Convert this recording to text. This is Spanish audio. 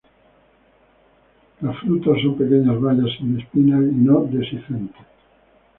Las frutas son pequeñas bayas sin espinas y no dehiscentes.